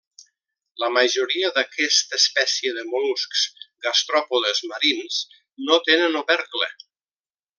La majoria d'aquesta espècie de mol·luscs gastròpodes marins, no tenen opercle.